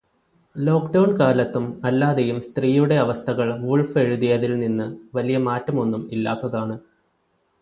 Lockdown കാലത്തും അല്ലാതെയും സ്ത്രീയുടെ അവസ്ഥകൾ വുൾഫ് എഴുതിയതിൽ നിന്ന് വലിയ മാറ്റമൊന്നും ഇല്ലാത്തതാണ്.